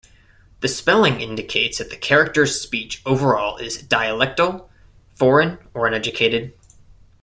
The spelling indicates that the character's speech overall is dialectal, foreign, or uneducated.